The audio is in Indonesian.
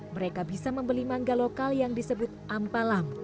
mereka bisa membeli mangga lokal yang disebut ampalam